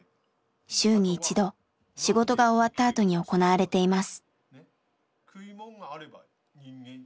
週に一度仕事が終わったあとに行われています。